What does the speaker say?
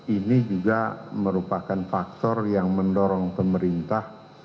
ini juga merupakan faktor yang mendorong pemerintah